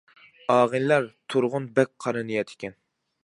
-ئاغىنىلەر تۇرغۇن بەك قارا نىيەت ئىكەن.